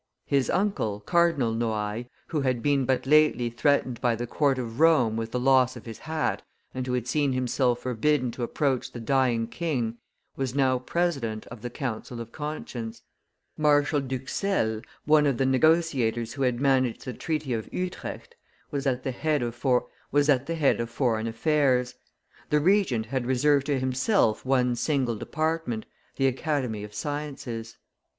His uncle, Cardinal Noailles, who had been but lately threatened by the court of Rome with the loss of his hat, and who had seen himself forbidden to approach the dying king, was now president of the council of conscience. Marshal d'Huxelles, one of the negotiators who had managed the treaty of Utrecht, was at the head of foreign affairs. The Regent had reserved to himself one single department, the Academy of Sciences.